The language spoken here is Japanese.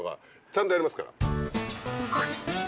ちゃんとやりますから。